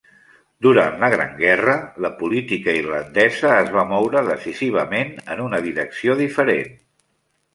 Durant la Gran Guerra, la política irlandesa es va moure decisivament en una direcció diferent.